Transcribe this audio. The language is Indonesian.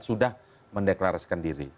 sudah mendeklarasikan diri